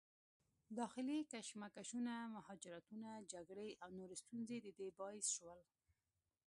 داخلي کشمکشونه، مهاجرتونه، جګړې او نورې ستونزې د دې باعث شول